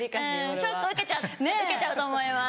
ショック受けちゃうと思います